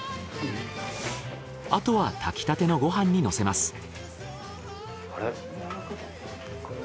あとは炊きたてのご飯にのせます。